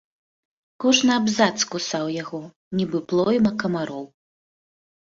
Кожны абзац кусаў яго, нібы плойма камароў.